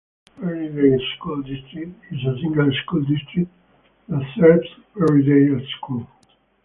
Perrydale School District is a single-school district that serves Perrydale School.